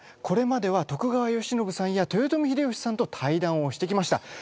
これまでは徳川慶喜さんや豊臣秀吉さんと対談をしてきました。